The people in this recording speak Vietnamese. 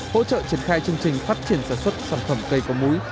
hỗ trợ triển khai chương trình phát triển sản xuất sản phẩm cây có múi